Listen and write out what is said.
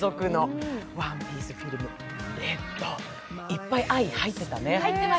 いっぱい「愛」入ってたね。